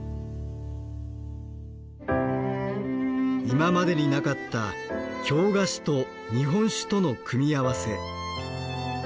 今までになかった京菓子と日本酒との組み合わせ。